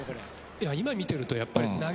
今見てるとやっぱり。